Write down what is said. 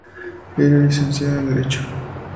Era licenciado en Derecho.